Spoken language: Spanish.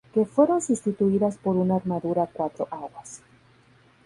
Que fueron sustituidas por una armadura a cuatro aguas.